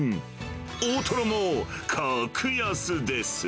大トロも格安です。